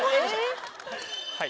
はい！